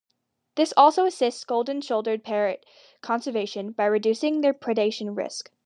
This also assists golden-shouldered parrot conservation by reducing their predation risk.